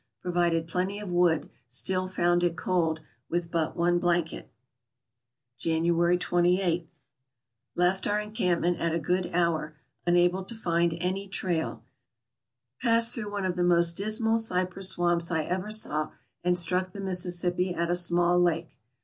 Provided plenty of wood, still found it cold, with but one blanket. January 28. — Left our encampment at a good hour; unable to find any trail, passed through one of the most dis mal cypress swamps I ever saw and struck the Mississippi at a small lake.